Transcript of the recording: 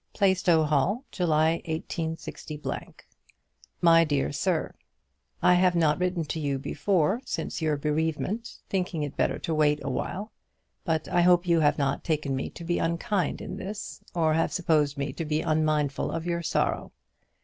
Plaistow Hall, July, 186 . MY DEAR SIR, I have not written to you before since your bereavement, thinking it better to wait awhile; but I hope you have not taken me to be unkind in this, or have supposed me to be unmindful of your sorrow.